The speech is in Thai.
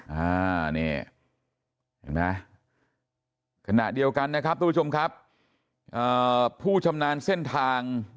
เห็นไหมขณะเดียวกันนะครับทุกผู้ชมคุณผู้ชำนานเส้นทาง